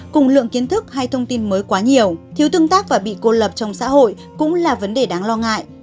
cùng lượng kiến thức hay thông tin mới quá nhiều thiếu tương tác và bị cô lập trong xã hội cũng là vấn đề đáng lo ngại